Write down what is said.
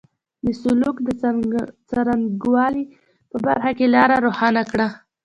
د سلوک د څرنګه والي په برخه کې لاره روښانه کړه.